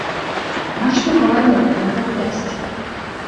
Нашто гаварыла пра яго хлясцік!